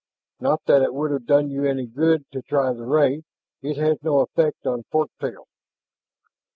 "Not that it would have done you any good to try the ray; it has no effect on fork tail."